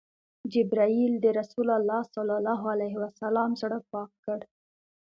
جبرئیل د رسول الله ﷺ زړه پاک کړ.